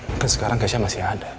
mungkin sekarang cash masih ada